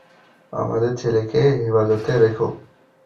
আমাদের ছেলেকে হেফাজতে রেখো!